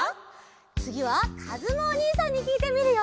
つぎはかずむおにいさんにきいてみるよ！